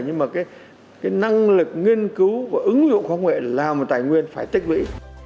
nhưng mà cái năng lực nghiên cứu và ứng dụng khoa học nghệ làm tài nguyên phải tích lũy